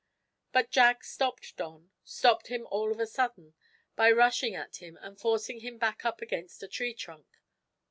But Jack stopped Don stopped him all of a sudden, by rushing at him and forcing him back up against a tree trunk.